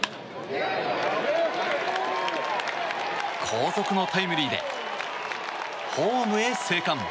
後続のタイムリーでホームへ生還。